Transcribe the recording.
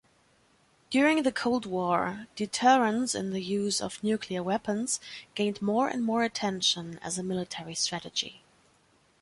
During the Cold War, deterrence in the use of nuclear weapons gained more and more attention as a military strategy.